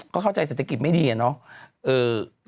ก็เข้าใจเศรษฐกิจไม่ดีอะเนาะ